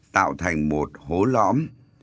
tạo thành một hố lõm